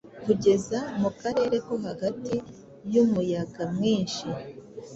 Kugeza mu karere ko hagati yumuyaga mwinhi,